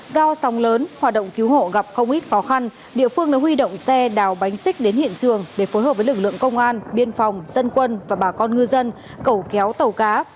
do sóng lớn hoạt động cứu hộ gặp không ít khó khăn địa phương đã huy động xe đào bánh xích đến hiện trường để phối hợp với lực lượng công an biên phòng dân quân và bà con ngư dân cẩu kéo tàu cá